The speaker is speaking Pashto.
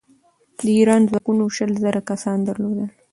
د ایران ځواکونو شل زره کسان درلودل.